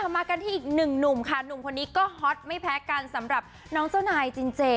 มากันที่อีกหนึ่งหนุ่มค่ะหนุ่มคนนี้ก็ฮอตไม่แพ้กันสำหรับน้องเจ้านายจินเจ